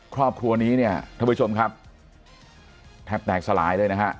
ครอบครัวนี้เนี่ยท่านผู้ชมครับแทบแตกสลายเลยนะฮะ